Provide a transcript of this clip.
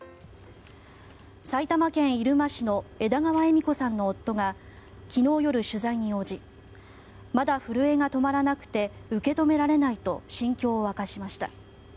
埼玉県入間市の枝川恵美子さんの夫が昨日夜、取材に応じまだ震えが止まらなくて受け止められないと心境を明かしました。